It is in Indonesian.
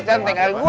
jangan tinggal gue ya